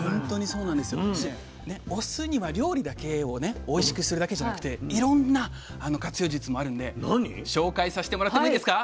そしてお酢には料理だけをねおいしくするだけじゃなくていろんな活用術もあるんで紹介させてもらってもいいですか？